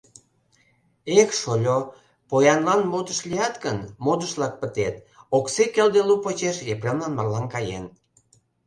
— Эх, шольо, поянлан модыш лият гын, модышлак пытет, Окси келделу почеш Епремлан марлан каен.